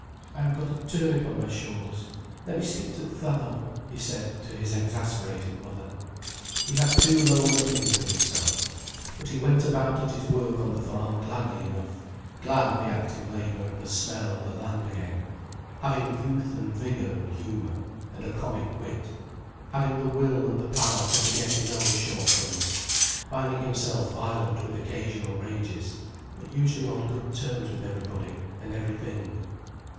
"I have got a turnip on my shoulders, let me stick to th' fallow," he said to his exasperated mother. He had too low an opinion of himself. But he went about at his work on the farm gladly enough, glad of the active labour and the smell of the land again, having youth and vigour and humour, and a comic wit, having the will and the power to forget his own shortcomings, finding himself violent with occasional rages, but usually on good terms with everybody and everything.